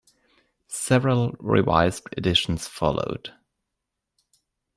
Several revised editions followed.